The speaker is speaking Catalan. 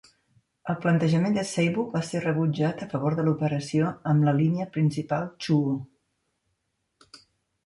El plantejament de Seibu va ser rebutjat a favor de l'operació amb la línia principal Chuo.